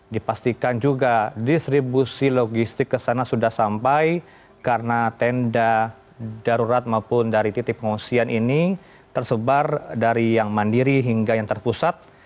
dipastikan juga distribusi logistik ke sana sudah sampai karena tenda darurat maupun dari titik pengungsian ini tersebar dari yang mandiri hingga yang terpusat